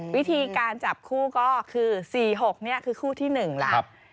วิธีการจับคู่ก็คือ๔๖นี่คือคู่ที่๑แล้ว